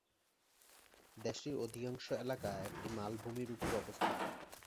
দেশটির অধিকাংশ এলাকা একটি মালভূমির উপর অবস্থিত।